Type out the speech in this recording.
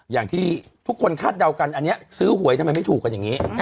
อย่างที่ทุกคนคาดเดากันอันนี้ซื้อหวยทำไมไม่ถูกกันอย่างนี้